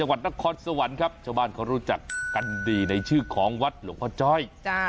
วัดนครสวรรค์ครับชาวบ้านเขารู้จักกันดีในชื่อของวัดหลวงพ่อจ้อย